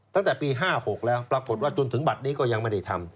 ตั้งแต่ปี๕๖แล้วปรากฏว่าจนถึงบัตรนี้ก็ยังไม่ได้ทำ